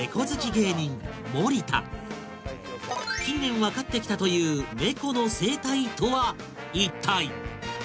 芸人森田へぇ近年分かってきたという猫の生態とは一体！